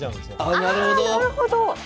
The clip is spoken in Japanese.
あなるほど！